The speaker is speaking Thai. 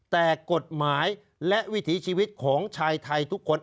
แต่กฎหมายและวิถีชีวิตของชายไทยทุกคน